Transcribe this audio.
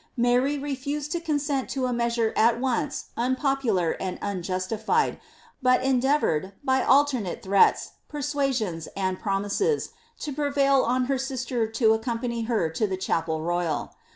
Ma'ry refused to consent to a measure at once unpopular and unjustifiable, but endea voured, by alternate threats, persuasions, and promises, to prevail on her sister to accompany her to the chapel royal.